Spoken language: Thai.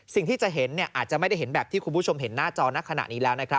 สิ่งที่จะเห็นอาจจะไม่ได้เห็นแบบที่คุณผู้ชมเห็นหน้าจอในขณะนี้แล้วนะครับ